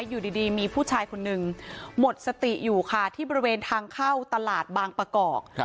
อยู่ดีมีผู้ชายคนนึงหมดสติอยู่ค่ะที่บริเวณทางเข้าตลาดบางประกอบ